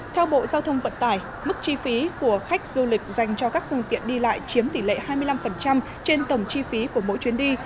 theo bộ giao thông vận tải mức chi phí của khách du lịch dành cho các phương tiện đi lại chiếm tỷ lệ hai mươi năm trên tổng chi phí của mỗi chuyến đi